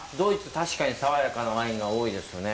確かに爽やかなワインが多いですよね。